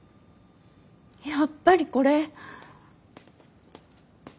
やっぱりこれ。